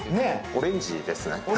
オレンジですね。